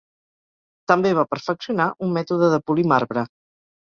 També va perfeccionar un mètode de polir marbre.